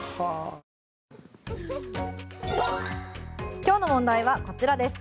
今日の問題はこちらです。